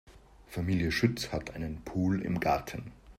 Familie Schütz hat einen Pool im Garten.